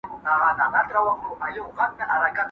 ¬ د بل پر کور سل مېلمانه هيڅ نه دي.